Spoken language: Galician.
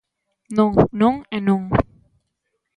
Non, non e non.